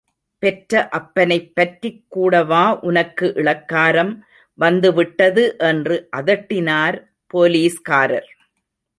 பெற்ற அப்பனைப் பற்றிக் கூடவா உனக்கு இளக்காரம் வந்துவிட்டது என்று அதட்டினார் போலீஸ்காரர்.